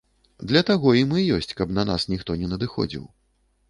Для таго і мы ёсць, каб на нас ніхто не надыходзіў.